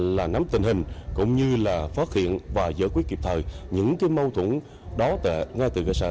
là nắm tình hình cũng như là phát hiện và giải quyết kịp thời những cái mâu thuẫn đó ngay từ cơ sở